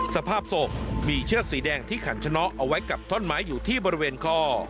สภาพศพมีเชือกสีแดงที่ขันชะเนาะเอาไว้กับท่อนไม้อยู่ที่บริเวณคอ